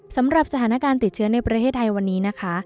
สำหรับสถานการณ์ติดเชื้อในประเทศไทยวันนี้นะคะ